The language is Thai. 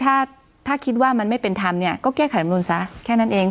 ถ้าคิดว่ามันไม่เป็นทำเนี่ยก็แก้ไขรำนูนซะแค่นั้นเอง